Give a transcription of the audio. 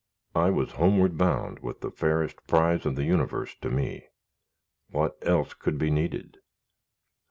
I was homeward bound with the fairest prize of the universe to me. What else could be needed?